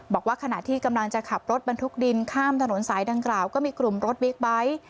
บอกว่าขณะที่กำลังจะขับรถบรรทุกดินข้ามถนนสายดังกล่าวก็มีกลุ่มรถบิ๊กไบท์